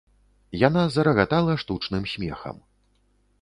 Яна зарагатала штучным смехам.